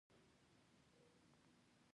جمال خان د کان په لور پوځي سلام وکړ